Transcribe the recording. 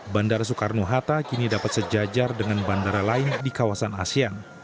bandara soekarno hatta kini dapat sejajar dengan bandara lain di kawasan asean